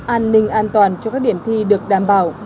an ninh an toàn cho các điểm thi được đảm bảo